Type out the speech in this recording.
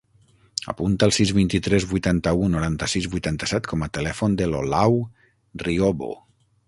Apunta el sis, vint-i-tres, vuitanta-u, noranta-sis, vuitanta-set com a telèfon de l'Olau Riobo.